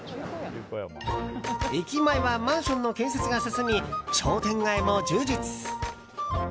駅前はマンションの建設が進み商店街も充実。